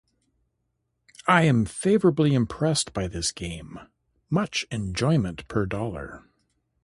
I am very favourably impressed by this game; much enjoyment per dollar.